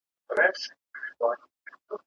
¬ پک که ډاکتر واى، اول به ئې د خپل سر علاج کړی وای.